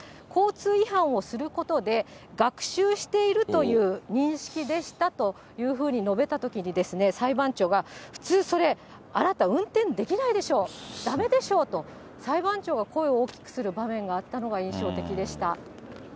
交通違反をすることで、学習しているという認識でしたというふうに述べたときに、裁判長は、普通それ、あなた運転できないでしょう、だめでしょうと、裁判長が声を大きくする場面があったのが印象的でした。